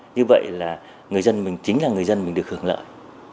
như vậy là chính là người dân mình được hưởng lợi